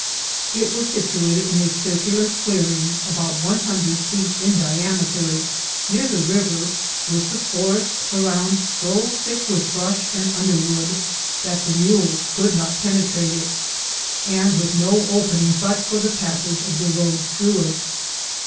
It was situated in a circular clearing about one hun dred feet in diameter, near the river, with the forest around so thick with brush and underwood that the mules could not penetrate it, and with no opening but for the passage of the road through it.